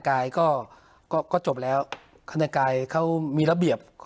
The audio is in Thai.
เพราะฉะนั้นทำไมถึงต้องทำภาพจำในโรงเรียนให้เหมือนกัน